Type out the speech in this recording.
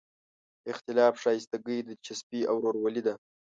اختلاف ښایستګي، دلچسپي او ورورولي ده.